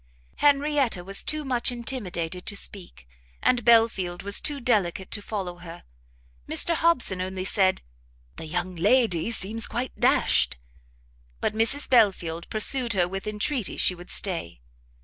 Henrietta was too much intimidated to speak, and Belfield was too delicate to follow her; Mr Hobson only said "The young lady seems quite dashed;" but Mrs Belfield pursued her with entreaties she would stay.